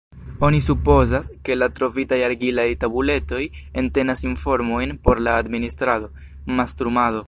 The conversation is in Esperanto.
Oni supozas, ke la trovitaj argilaj tabuletoj entenas informojn por la administrado, mastrumado.